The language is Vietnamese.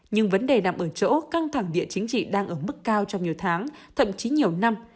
nhưng vấn đề nằm ở chỗ căng thẳng địa chính trị đang ở mức cao trong nhiều tháng thậm chí nhiều năm